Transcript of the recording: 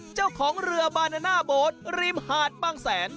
เจ้าของเรือบานาน่าโบ๊ทริมหาดบางแสน